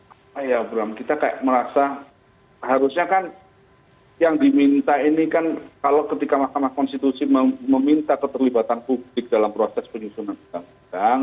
apa ya bram kita kayak merasa harusnya kan yang diminta ini kan kalau ketika mahkamah konstitusi meminta keterlibatan publik dalam proses penyusunan undang undang